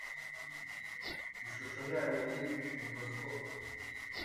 ishusho yayo muri microscope